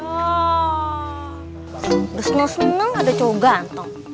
udah seneng seneng ada cowo ganteng